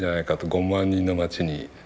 ５万人の街に。